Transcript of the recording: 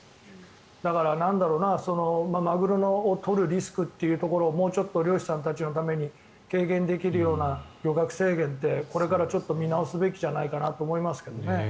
だから、マグロを取るリスクというところをもうちょっと漁師さんたちのために軽減できるような漁獲制限ってこれから見直すべきじゃないかと思いましたけどね。